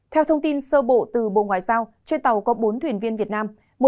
theo thông tin sơ bộ từ bộ ngoại giao trên tàu có bốn thuyền viên việt nam